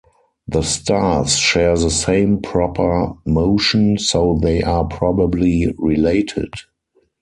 The stars share the same proper motion so they are probably related.